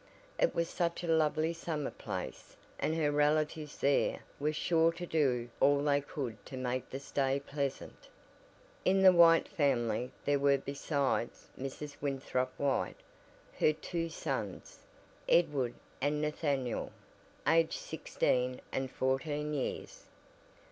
It was such a lovely summer place, and her relatives there were sure to do all they could to make the stay pleasant. In the White family there were besides Mrs. Winthrop White, her two sons, Edward and Nathaniel, aged sixteen and fourteen years.